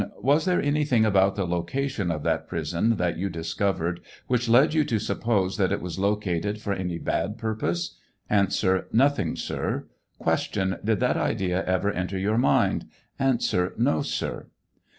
Was there anything about the location of that prison that you discovered which led you to suppose that it was located for any bad purpose 1 A. Nothing, sir. Q. Did that idea ever enter your mind 1 A. No, sir.